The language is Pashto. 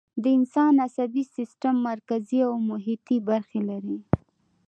د انسان عصبي سیستم مرکزي او محیطی برخې لري